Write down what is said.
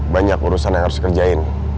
banyak urusan yang harus dikerjain